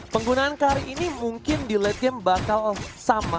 penggunaan ke hari ini mungkin di late game bakal sama